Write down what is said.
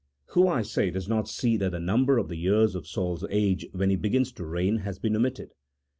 Who, I say, does not see that the number of the years of Saul's age when he began to reign has been omitted?